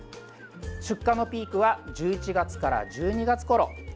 出荷のピークは、１１月から１２月ごろとなっています。